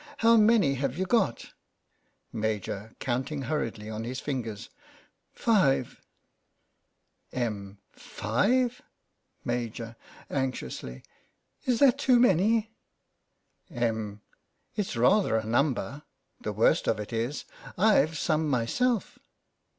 How many have you got? Maj. (counting hurriedly on his fingers) : Five. THE BAKER'S DOZEN 109 Em. : Five ! Maj\ (anxiously): Is that too many? Em. : It's rather a number. The worst of it is, IVe some myself.